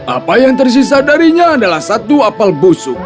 apa yang tersisa darinya adalah satu apel busuk